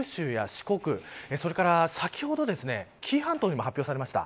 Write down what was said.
四国それから先ほど紀伊半島にも発表されました。